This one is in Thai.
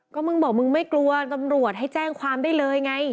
ก็มึงบอกมึงไม่กลัวตำรวจให้แจ้งความได้เลยไง